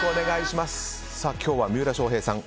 今日は三浦翔平さん